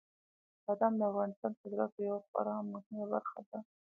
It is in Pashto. بادام د افغانستان د صادراتو یوه خورا مهمه برخه ده.